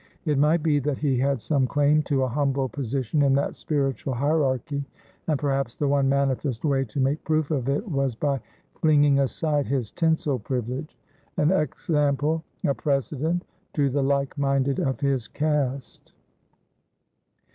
It might be that he had some claim to a humble position in that spiritual hierarchy, and perhaps the one manifest way to make proof of it was by flinging aside his tinsel privilegean example, a precedent, to the like minded of his caste.